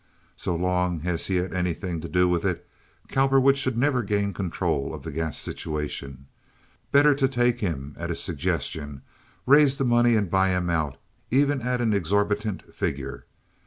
So long as he had anything to do with it, Cowperwood should never gain control of the gas situation. Better to take him at his suggestion, raise the money and buy him out, even at an exorbitant figure.